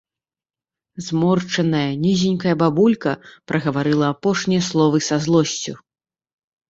Зморшчаная, нізенькая бабулька прагаварыла апошнія словы са злосцю.